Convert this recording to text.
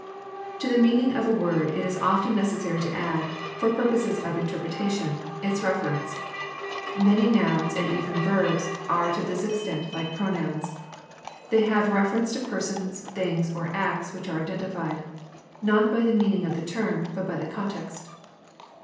To the meaning of a word it is often necessary to add, for purposes of interpretation, its reference. Many nouns and even verbs are to this extent like pronouns. They have reference to persons, things, or acts which are identified, not by the meaning of the term, but by the context.